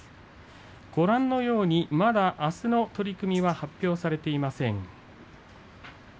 ご覧のように、あすの取組はまだ発表されておりません。